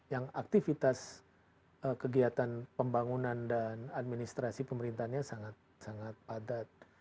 yang aktivitas kegiatan pembangunan dan administrasi pemerintahnya sangat sangat padat